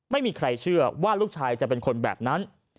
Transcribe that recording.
ไม่มีใครเชื่อว่าลูกชายจะเป็นคนแบบนั้น